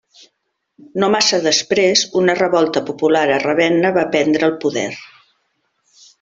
No massa després una revolta popular a Ravenna va prendre el poder.